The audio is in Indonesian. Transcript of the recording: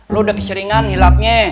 lo udah keseringan hilapnya